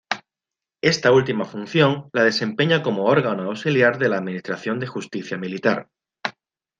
Esta última función la desempeña como órgano auxiliar de la administración de justicia militar.